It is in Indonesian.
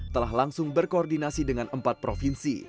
telah langsung berkoordinasi dengan empat provinsi